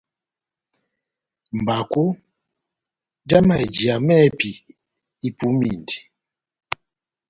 Mbakó já mayɛjiya mɛ́hɛ́pi ipumindi.